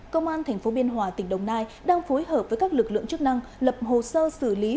công an tp biên hòa tỉnh đồng nai đang phối hợp với các lực lượng chức năng lập hồ sơ xử lý